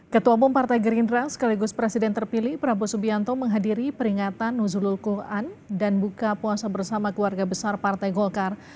ketua umum partai gerindra sekaligus presiden terpilih prabowo subianto menghadiri peringatan nuzulul quran dan buka puasa bersama keluarga besar partai golkar